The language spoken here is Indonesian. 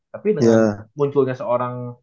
tapi dengan munculnya seorang